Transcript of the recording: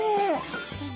確かに。